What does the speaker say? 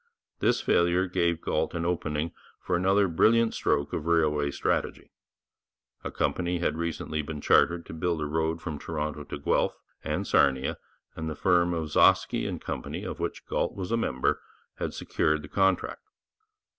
This failure gave Galt an opening for another brilliant stroke of railway strategy. A company had recently been chartered to build a road from Toronto to Guelph and Sarnia, and the firm of Gzowski and Co., of which Galt was a member, had secured the contract.